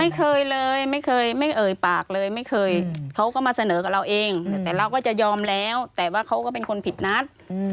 ไม่เคยเลยไม่เคยไม่เอ่ยปากเลยไม่เคยเขาก็มาเสนอกับเราเองแต่เราก็จะยอมแล้วแต่ว่าเขาก็เป็นคนผิดนัด